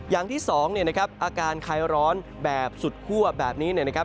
อย่างที่สองนะครับอาการไขร้ร้อนแบบสุดคั่วแบบนี้นะครับ